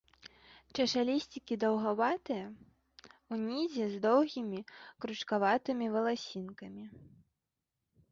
Чашалісцікі даўгаватыя, унізе з доўгімі кручкаватымі валасінкамі.